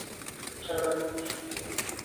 جبروت